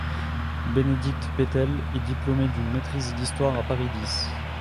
Bénédicte Pételle est diplômée d’une maîtrise d’histoire à Paris-X.